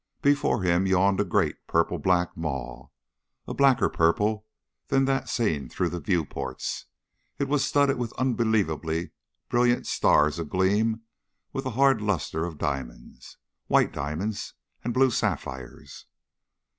Before him yawned a great purple black maw, a blacker purple than that seen through the view ports. It was studded with unbelievably brilliant stars agleam with the hard luster of diamonds white diamonds and blue sapphires.